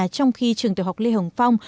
trong khi trường tổ học lê hồng phong